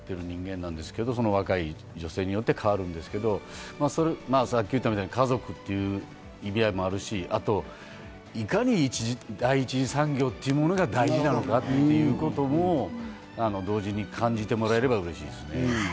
僕、漁師の役で、ある意味、保守的な部分を持ってる人間なんですけど、若い女性によって変わるんですけど、さっき言ったみたいに家族という意味合いもあるし、あと、いかに第一次産業が大事なのかということも同時に感じてもらえれば嬉しいですね。